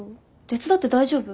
手伝って大丈夫？